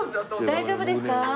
大丈夫ですよ。